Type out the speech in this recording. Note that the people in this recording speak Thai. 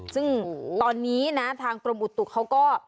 ซึ่งตอนนี้นะทางกรมอุตุเขาก็